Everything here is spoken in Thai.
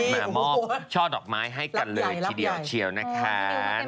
มะโมกช่อดอกไม้ให้กันเลยเนี่ยชิวนะครับ